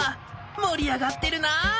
もりあがってるな。